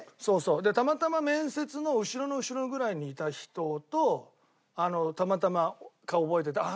そうそう。でたまたま面接の後ろの後ろぐらいにいた人とたまたま顔を覚えてて。